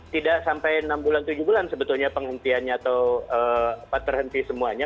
tidak sampai enam bulan tujuh bulan sebetulnya penghentiannya atau terhenti semuanya